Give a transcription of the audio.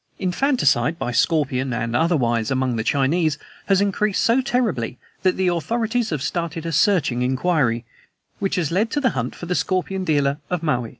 "Infanticide, by scorpion and otherwise, among the Chinese, has increased so terribly that the authorities have started a searching inquiry, which has led to the hunt for the scorpion dealer of Maui.